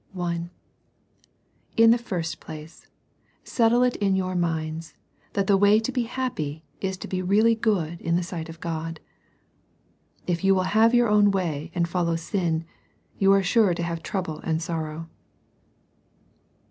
(i) In the first place, settle it in your minds, that the way to be happy is to be really good in the sight of God. If you will have your own way, and follow sin", you are sure to have trouble and sorrow.